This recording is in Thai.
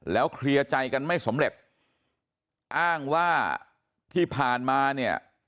เคลียร์ใจกันไม่สำเร็จอ้างว่าที่ผ่านมาเนี่ย